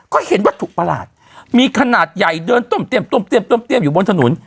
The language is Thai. ก็เห็นว่าถูกประหลาดมีขนาดใหญ่เดินต้มเตียมต้มเตียมต้มเตียมอยู่บนถนน